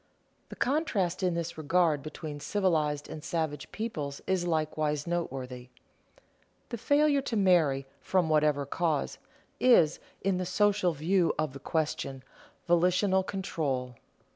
The contrast in this regard between civilized and savage peoples is likewise noteworthy. The failure to marry, from whatever cause, is, in the social view of the question, volitional control.